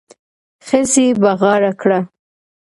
ښځې بغاره کړه.